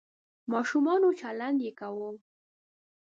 ماشومانه چلند یې کاوه .